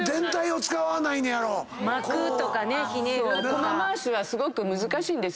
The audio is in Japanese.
コマ回しはすごく難しいんです。